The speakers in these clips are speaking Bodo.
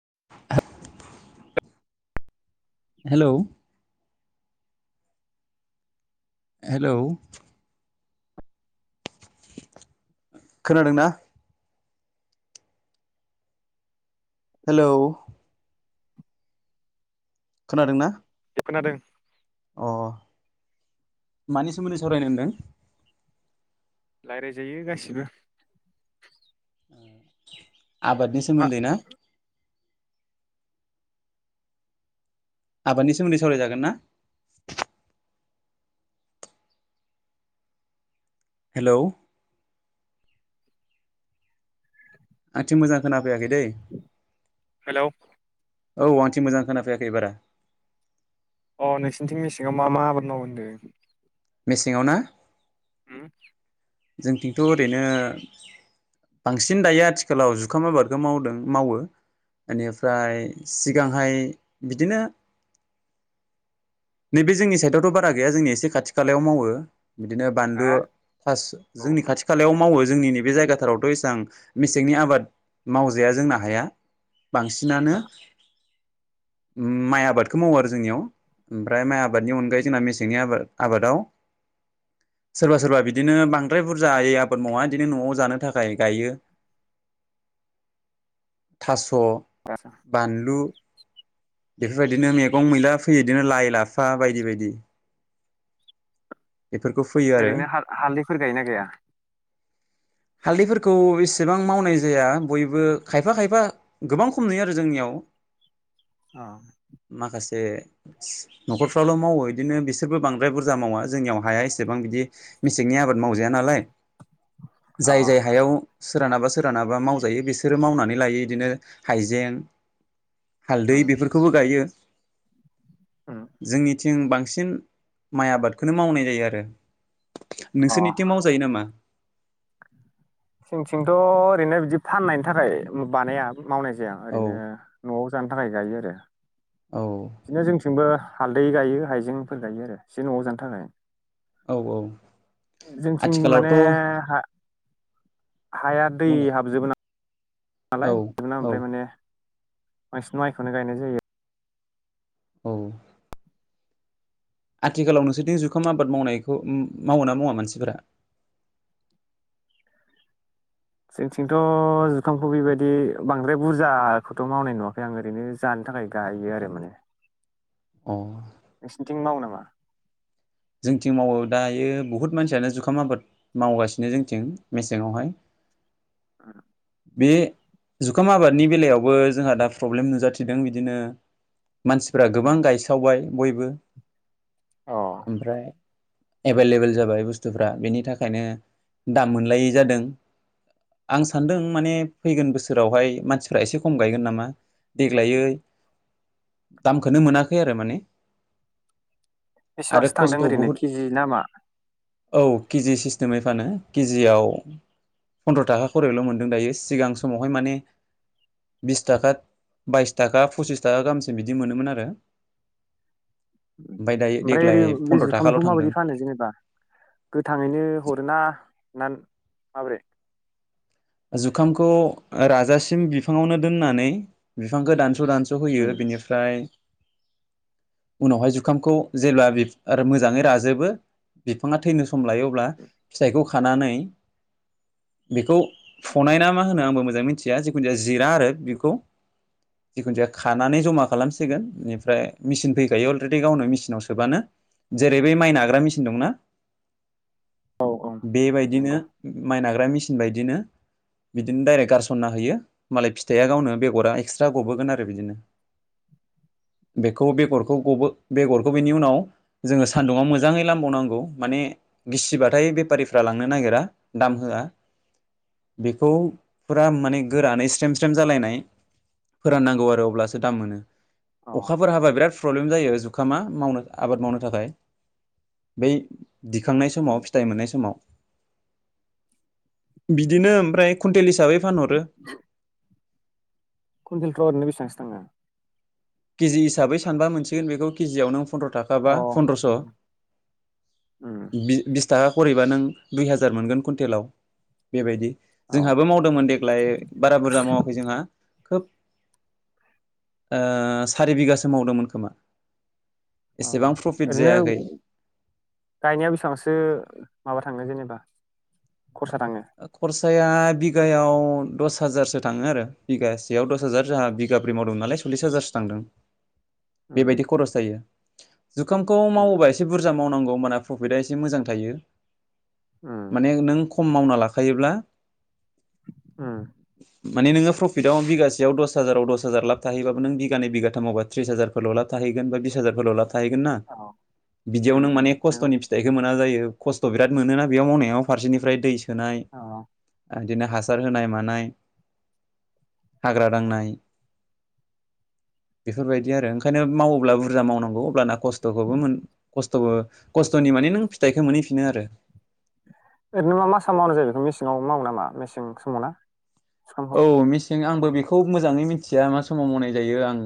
[unintelligible] हेलौ। हेलौ। खोनादोंना? हेलौ। खोनादों ना? खोनादों। अ मानि सोमोन्दै सावरायनो होनदों? राय्लायजायो गासिबो। आबादनि मा सोमोन्दै ना? आबादनि सोमोन्दै सावरायजागोन ना हेलौ आंनिथिं मोजां खोनाफैयाखै दै हेल औ आंनिथिं मोजां खोनाफैायाखै बारा। अ नोंसोरनिथिं मेसेङाव मा मा आबाद मावयो होनदों मेसेङाव ना उम जोंथिंथ ओरैनो बांसिन दायो आथिखालाव जुखाम आबादखौ मावदों मावो एनिफ्राय सिगांहाय बिदिनो नैबे जोंनि साइडआवथ बारा गैया जोंनि एसे खाथि खालायाव मावो बिदिनो बानलु हा खास औ जोंनि खाथि खालायाव मावो जोंनि बे जायगाफ फोथारावथ इसेबां मेसेंनि आबाद मावजाया जोंना हाया बांसिनानो माइ आबादखौ मावो आरो जोंनियाव ओमफ्राय माइ आबादनि अनगायै जोंना मेसेंनि आबादाव सोरबा सोरबा बिदिनो बांद्राय बुरजाायै आबाद मावा बिदिनो नआव जानो थाखाय गायो थास स, बानलु बेफोरबायदिनो मेगं मैला फैयो बिदिनो लाइ लाफा बायदि बायदि। बेफोरखौ फैयो आरो ओरैनो हाल हालदैफोर गायो ना गाया? हालदैफोरखौ एसेबां मावनाय जाया बयबो खायफा खायफा गोबां खम नुयो आरो जोंनियाव औ से नखरफ्रावाल मावो बिदिनो बिसोरबो बांद्राय बुरजा मावा जोंनियाव हाया एसेबां बिदि मेसेंनि आबाद मावजाया नालाय अ जाय जाय हायाव सोरानाबा सोरानाबा मावजायो बिसोरो मावनानै लायो बिदिनो हाइजें उम हालदै बिफोर गायो। उम जोंनिथि जों बांसिन माइ आबादखौनो मावनाय जायो आरो अ नोंसोरनिथिं मावजायो नामा? जोंनिथिंथ ओरैनो बिदि फाननायनि थाखाय बानाया। मावनाय जाया औ ओरैनो नआव जानो थाखाय गायो आरो औ बिदिनो जोंथिंबो हालदै गायो हाइजेंफोर गायो आरो एसे नआव जानो थाखाय औ औ जोंनिथिं माने आथिखालावथ' हा हाया दै बुंलाय हाबजोबो ना औ नालाय बिदिनो औ ओमफ्राय माने बांसिन माइखौनो गायनाय जायो। औ आथिखालाव नोंसोरनि जुखाम आबाद मावनायखौ मावो ना मावा मानसिफोरा? जोंथिंथ' जुखामखौ बेबायदि बांद्राय बुरजाखौथ' मावनाय नुवाखै आं ओरैनो जानो थाखाय गायो आरो माने। अ नोंसिनिथिं मावो नामा? जोंथिं मावो दायो बुहुत मानसियानो जुखाम आबाद मावगासिनो जोंथिं मेसेङावहाय। ओम बे जुखाम आबादनि बेलायावबो जोंहा दा प्रब्लेम नुजाथिदों बिदिनो मानसिफ्रा गोबां गायसावबाय। बयबो अ ओमफ्राय एबेलेबेल जाबाय बुस्थ बुस्थुफ्रा बेनि थाखायनो दाम मोनलायै जादों आं सा सानदों माने फैगोन बोसोरावहाय मानसिफ्रा एसे खम गायगोन नामा देग्लाय दामखौनो मोनाखै आरो माने। आरो बेसेबांसो थांदों खस्थ' ओरैनो बुहुद के जि नामा औ के जि सिस्टेमै फानो केजियाव फन्द्र थाखा खरैल' मोनदों दायो सिगां समावहाय माने बिस थाखा बाइस थाखा फसिस थाखा गाहामसिम बिदि मोनोमोन आरो। दायो ओमफ्राय ओरै देग्लाय बे फन्द्र' थाखाल' जुखामखौ माबायदि थांदों फानो जेनेबा गोथाङैनो हरोना नान माब्रै जुखामखौ राजासिम बिफाङावनो दोननानै बिफांखौ दान सदानस' होयो बिनिफ्राय उनावहाय जुखामखौ जेब्ला बे आरो मोजाङै राजोबो बिफाङा थैनो सम लायो अब्ला फिथाइखौ खानानै बेखौ फनाय ना मा होनो आंबो मोजाङै मिथिया जिखुनु जाया जिरा आरो बेखौ जिखुनुजाया खानानै जमा खालामसिगोन इनिफ्राय मेचिन फैखायो अलरेडि गावनो मेचिनाव सोबानो जेरै बै माइ नाग्रा मेचिन दंना औ औ बेबायदिनो नंगौ माइ नाग्रा मि सिन बायदिनो। बिदिनो दडाइरेक्ट गारसनना होयो मालाय फिथाइया गावनो बेगरा एक्सट्रा गबोगोन आरो बिदिनो बेखौ बेगरखौ बेगरखौ बेनि उनाव जोङो सान्दुङाव मोजाङै लामबावनांगौ माने गिसिबथाय बेफारिफ्रा लांनो नागिरा दाम होआ। बेखौ फुरा माने गोरानै स्रेम स्रेम जालायनाय फोराननांगौ आरो अब्लासो दाम मोनो अ अखाफोर हाबा बिराद प्रब्लेम जायो जुखामा मावनो आबाद मावनो थाखाय बै दिखांनाय समाव फिथाइ मोननाय समाव बिद बिनो ओमफ्राय कुन्टेल हिसाबै फानहर रो कुन्तेलफ्राव ओरैनो बेसेबांसो थांङो? के जि हिसाबै सानबा मोनसिगोन बे खौ केजियाव नों फन्द्र थाखाबा अ फन्द्रस उम बि बिस टाका करेबा नों दुइ हाजार मोनगोन कुन्टेलाव बेबायदि। औ जोंहाबो मावदोंमोन देग्लाय बारा बुरजा मावाखै जोंहा खोब ओ सारि बिगासो मावदोंमोन खोमा। एसेबां अ' प्रफिट ओरैनो जायाखै गायनाया बेसेबांसो माबा थांनो जेनेबा खरसा थाङो? खरसाया दा बिगायाव दस हाजारसो थाङो आरो बिघायासो बेयाव दस हाजार जहा बिगाब्रि मावदोंमोन नालाय सल्लिस हाजारसो थांदों। उम बेबायदि खरस जायो। जुखामखौ उम मावोबा एसे बुरजा मोन मावनांगौ होबाना प्रफिटआ एसे मोजां थायो। उम माने नों खम मावना लाखो थायोब्ला उम - [inaudible] माने नोंङो प्रफिटआव बिगासेयाव दस हाजाराव दस हाजार लाब थाहैबाबो नों बिगानै बिगाथामाव बा त्रिस हाजारफोरल लाब थाहैगोन बा बिस हाजारफोरल लाब थाहैगोन ना औ बिदियाव उम नों उम माने नंगौ खस्थनि फिथाइखौ मोना जायो। खस्थ' बिराद मोनोना बेयाव मावनायाव फारसेनिफ्राय दै सोनाय औ बिदिनो हासार होनाय मानाय हाग्रा दांनाय बेफोरबायदि आरो ओंखायनो मावोब्ला बुरजा मावनांगौ अब्लाना खस्थबाबो मोन खस्थब खस्थनिमाने नों फिथाइखौ मोनहैफिनो आरो। ओरैनो मा मा मासाव मावनाय जायो बेखौ मेसेंआव मावो नामा मेसें समाव ना? जुखामखौ? औ मिथिदों आंबो। बेखौ मोजाङै मिथिया मा समाव मावनाय जायो आं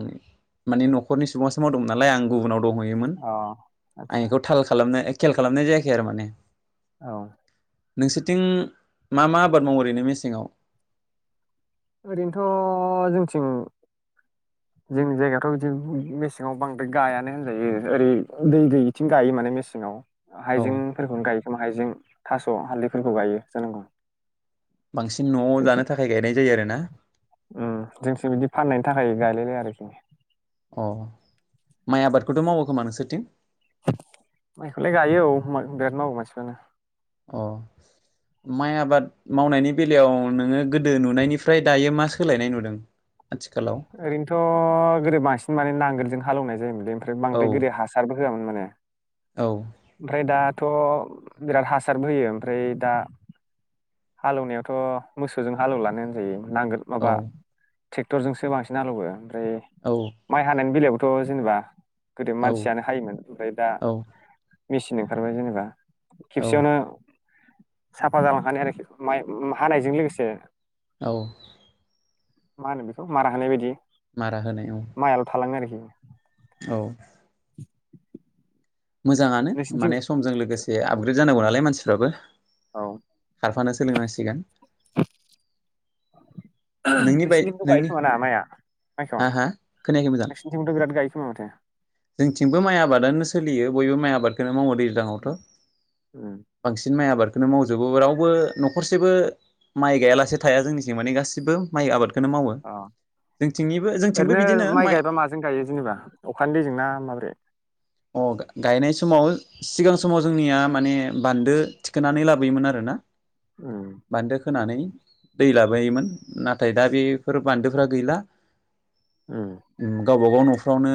माने न'खरनि सुबुंसो मावदोंमोन नालाय आं गुबुनाव दंहोयोमोन अ आतसा आंखौ थाल खालाम ए खेल खालामनाय जायाखै आरो माने औ नोंसोरथिं मा मा आबाद मावो ओरैनो मेसेंआव। ओरैनोथ' जोंथिं जोंनि जायगायाथ' बिदि मेसेंआव बांद्राय गायानो होनजायो ओरै दै गैथिं गायो माने मेसेङाव। औ हाइजेंफोरखौनो गायोखोमा हाइजें थास' हालदैफोरखौ गायो जानांगौ। बांसिन न'आव जानो थाखाय गायनाय जायो आरोना उ जोंथिं बिदि फाननायनि थाखाय गायलायलाया आरो। अ माइ आबादखौथ' मावो खोमा नोंसोरथिं माइखौलाय गायो औ म बिराद मावो मानसिफ्रानो अ माइ आबाद मावनायनि बेलायाव नोङो गोदो नुनायनिफ्राय दायो मा सोलायनाय नुदों। आथिखालाव ओरैनोथ गोदो बांसिन माने नांगोल जों हालौनाय जायोमोन। ओमफ्राय औ बांद्राय गोदो हासारबो होआमोन माने औ ओमफ्राय दाथ' बिराद हासारबो होयो ओमफ्राय दा हालेवनायावथ' मोसौजों हालेवलानो होनजायो। नांगोल औ माबा ट्रेक्टरजोंसो बांसिन हालौवो। ए औ माइ हानायानो बिला खौ जेनोबा गोदो औ मानसियानो हायोमोन ओमफाय दा औ मेसिन ओंखारबाय जेनेबा औ खेबसेयावनो साफा जालांखानाय आरोखि माइ हानायजों लोगोसे। औ। मा होनो बेखौ मारा होनाय बायदि? मारा होनाय औ माइ आल थालाङो आरोखि औ। मोजाङानो नोंसिनिथिं माने समजों लोगोसे आपग्रेड जानांगौ नालाय मानसिफ्राबो औ खारफानो सै सोलोंनांसिगोन नोंनि बाय नोंसिनिथिंबो गायो नोंनि खोमा ना माइआ माइखौ हा हा खोनायाखै मोजां नोंसिनिथिंबोथ' बिराद गायो खोमा माथो जोंनिथिंबो माइ आबादानो सोलियो बयबो माइ आबादखोनो मावो। दैज्लांङावथ उम, बांसिन माइ आबाद बेखौनो मावजोबो रावबो नखरसेबो माइ गायालासे थाया जोंनिथिं मानि गासैबो बो माइ आबाद अ जोंथिंबो ओरैनो बिदिनो माइ गायबा माजों गायो जेनेबा अखानि दैजोंना माब्रै? अ गायनाय समाव सिगां समाव जोंनिया माने बान्दो थिखोनानै लाबोयोमोन आरोना उम बान्दो खोनानै दै लाबोयोमोन नाथाय दा बेफोर बान्दोफ्रा गैला। ओ। गावबा गाव नफ्रावनो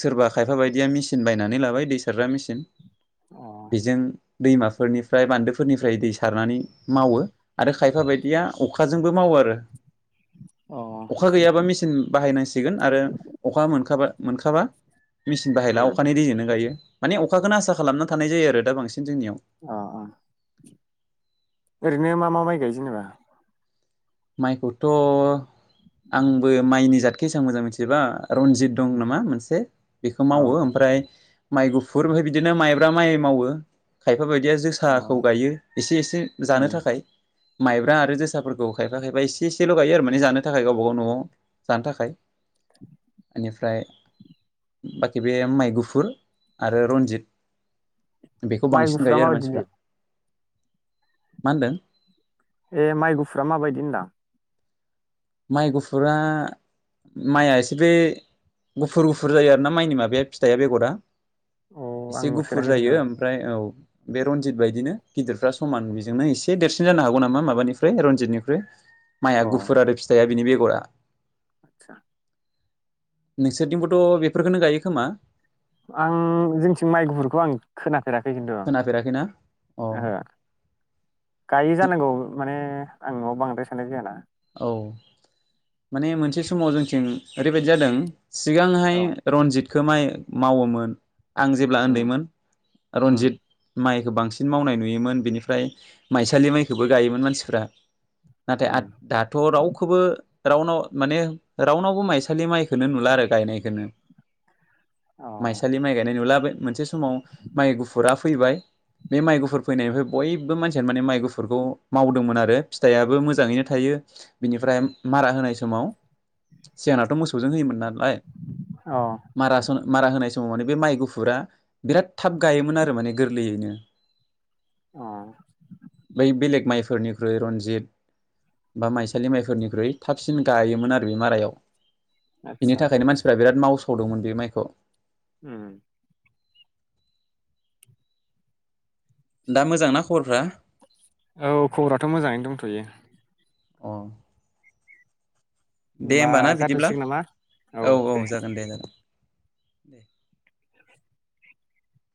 सोरबा खायफा बायदिया मिसि बायनानै लाबाय दै सारग्रा मेसिन अ बेजों दैमाफोरनिफ्राय बान्दोफोरनिफ्राय दै सारनानै मावो आरो खायफा बायदिया अखाजोंबो मावो आरो। अ अखा गैयाबा मेचिन बाहायनांसिगोन आरो अखा मोनखाबा मोनखाबा मिसिन बाहेलाव उम [unintelligible] गायो माने अखाखौनो आसा खालामना थानाय जायो आरो दा बांसिन जोंनियाव अ ओ नो मा मा माइ गायो जेनेबा? माइखौथ' आंबो माइनि जादखो एसेबां मोजां मिथिजोबा रनजित दं नामा मोनसे बेखौ मावो औ ओमफ्राय माइ गुफुर ओमफ्राय बिदिनो माइब्रा माइ मावो खाय बेफोरबायदिया जोसाखौ औ गायो एसे एसे जानो उम थाखाय माइब्रा आरो जोसाफोरखौ खायफा खायफा एसे एसेल'गायो आरो माने जानो थाखाय गावबा गाव न'आव जानो थाखाय। [unintelligible] बेनिफ्राय बाखि बे माइ गुफुर आरो रन्जित। बेखौ माइ बांसिन गुफुरा गायो आरो मानसिफ्रा। माबायदिलै मा होनदों? ए माइ गुफुरा माबायदि होनदां? माइ गुफुरा माइआ एसे बे गुफुर-गुफुर जायो आरोना माइनि माबाया फिथाइया बेगरा। अ आं एसे गुफुर नुफेराखै जायो खिन्थु ओमफ्राय औ। बे रनजित बायदिनो गिदिरफ्रा समान बेजोंनो एसे देरसिन जानो हागौ नामा माबानिफ्राय रनजित निख्रुइ। माइआ अ गुफुर आरो फि बिनि बेगरा। आतसा नोंसोरथिंबोथ' बेफोरखौनो गायो खोमा? आं जोंथिं माइ गुफुरखौ आं खोना फेराखै खिन्थु खोनाफेराखैना अ ओहो गायो जानांगौ माने आं नआव बांद्राय थानाय जायाना औ माने मोनसे समाव जोंथिं ओरैबायदि जादों सिगांहाय औ रनजित खो माय मावोमोन। आं जेब्ला उम उन्दैमोन उम रन्जित माइ खौ बांसिन मावनाय नुयोमोन बेनिफ्राय माइसालि माइखौबो गायोमोन मानसिफ्रा। नाथाय उम आग दाथ' रावखौबो रावनाव माने रावनावबो माइसालि माइ खोनो नुला आरो गायनायखोनो। अ माइसालि माइ गायनाय नु लाबो मोनसे समाव माइ गुफुरा फैबाय, बे माइ गुफुर फैनायनिफ्राय बयबो मानसियानो माने माइ गुफुरखौ मावदोंमोन आरो फिथाइयाबो मोजाङैनो थाय थायो बिनिफ्राय मारा होनाय समाव सिगांनाथ' मोसौजों होयोमोन नालाय। अ मारासन-मारा होनाय न अनै बे माइ गुफुरा बिराद थाब गायोमोन आरो माने गोरलैयैनो। अ बै बेलेक माइ फोरनिख्रुइ रन्जित बा माइसालि माइफोरनिख्रुइ थाबसिन गायोमोन आरो बे मारायाव। बिनि आदसा थाखायनो मानसिफ्रा बिराद माव हरोदोंमोन बे माइखौ। उम दा मोजांना खबरफ्रा? औ खबराथ' मोजाङैनो दंथ'यो। अ दे होमबा ना बिदिब्ला जाथ'सिगोन नामा औ औ जागोन दे जागोन। दे।